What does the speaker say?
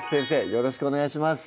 よろしくお願いします